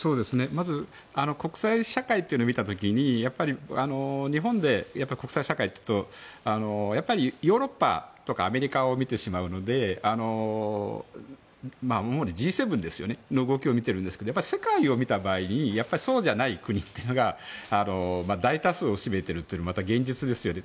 まず、国際社会を見た時に日本で国際社会というとやっぱりヨーロッパとかアメリカを見てしまう、主にＧ７の動きを見てしまうんですがやっぱり世界を見た場合にそうじゃない国というのが大多数を占めているというのが現実ですよね。